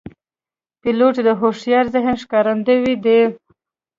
پیلوټ د هوښیار ذهن ښکارندوی دی.